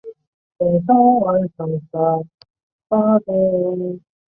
此外亦指为结清债务或弥补伤害所支付的和解款项。